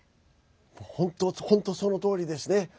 本当そのとおりですね。